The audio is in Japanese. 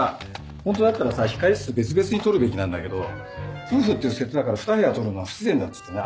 ホントだったらさ控室別々に取るべきなんだけど夫婦っていう設定だから２部屋取るのは不自然だっつってね